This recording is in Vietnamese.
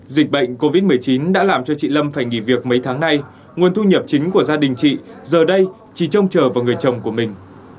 dịch bệnh covid một mươi chín đã làm cho chị lâm phải nghỉ việc mấy tháng nay nguồn thu nhập chính của gia đình chị giờ đây chỉ trông chờ vào người chồng của mình